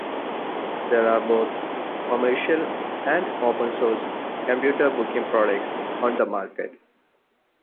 There are both commercial and Open Source computer booking products on the market.